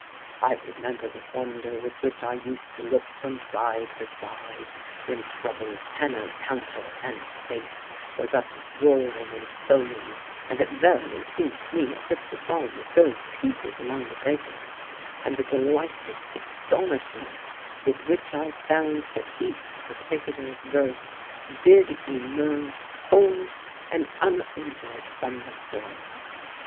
I remember the wonder with which I used to look from side to side when treble, tenor, counter, and bass were thus roaring and foaming, and it verily seemed to me as if the psalm was going to pieces among the breakers, and the delighted astonishment with which I found that each particular verse did emerge whole and uninjured from the storm.